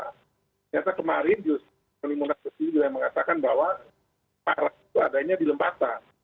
ternyata kemarin jusri munas ketil juga mengatakan bahwa paras itu adanya di lembata